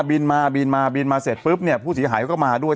บินมาบินมาบินมาเสร็จปุ๊บเนี่ยผู้เสียหายเขาก็มาด้วย